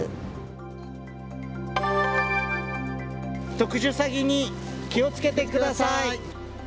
特殊詐欺に気をつけてください。